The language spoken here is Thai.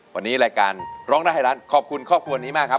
วันนี้รายการร้องได้ให้ร้านขอบคุณครอบครัวนี้มากครับ